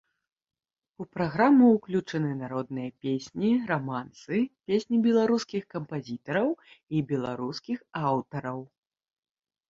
У праграму ўключаны народныя песні, рамансы, песні беларускіх кампазітараў і беларускіх аўтараў.